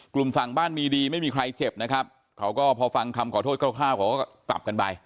กลุ่มฝั่งบ้านมีดีไม่มีใครเจ็บนะครับ